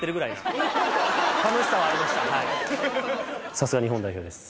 さすが日本代表です。